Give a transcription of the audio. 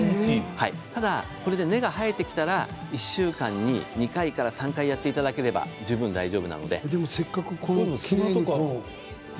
ただ根が生えてきたら１週間に２回から３回やっていただければ十分だと思います。